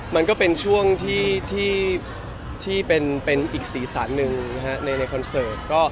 มันก็เป็นช่วงที่เป็นอีกสีสารหนึ่งในคอนเสิร์ต